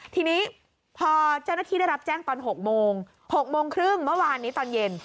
ทีนี้พอเจ้าหน้าที่ได้รับแจ้งตอน๖โมง๖โมงครึ่งเมื่อวานนี้ตอนเย็น